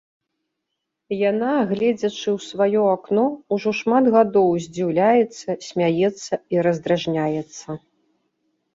Яна, гледзячы ў сваё акно, ужо шмат гадоў здзіўляецца, смяецца і раздражняецца.